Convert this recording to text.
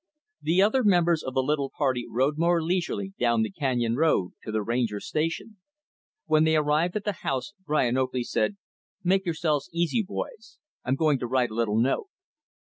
The other members of the little party rode more leisurely down the canyon road to the Ranger Station. When they arrived at the house, Brian Oakley said, "Make yourselves easy, boys. I'm going to write a little note."